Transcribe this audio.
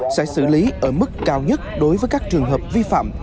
sẽ xử lý ở mức cao nhất đối với các trường hợp vi phạm